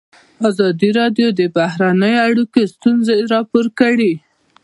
ازادي راډیو د بهرنۍ اړیکې ستونزې راپور کړي.